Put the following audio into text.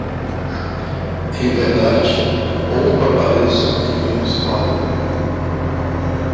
Em verdade, pouco apareço e menos falo.